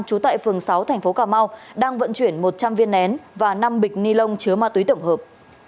trú tại phường sáu thành phố cà mau đang vận chuyển một trăm linh viên nén và năm bịch ni lông chứa ma túy tổng hợp